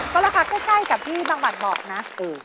ก็ราคาใกล้กับที่บางบัตรบอกนะ